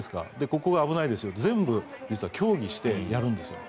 ここが危ないですよ全部協議して、実はやるんです。